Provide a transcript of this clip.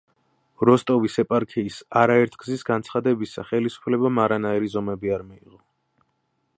როსტოვის ეპარქიის არაერთგზის განცხადებისა, ხელისუფლებამ არანაირი ზომები არ მიიღო.